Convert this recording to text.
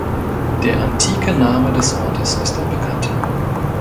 Der antike Name des Ortes ist unbekannt.